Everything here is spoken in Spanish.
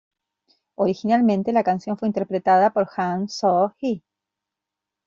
Originalmente, la canción fue interpretada por Han Soo-ji.